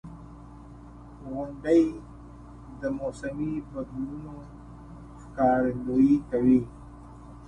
• غونډۍ د موسمي بدلونونو ښکارندویي کوي.